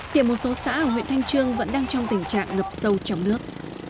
thì một số xã ở huyện thanh trương vẫn đang trong tình trạng ngập sâu trong nước